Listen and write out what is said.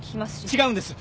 違うんです。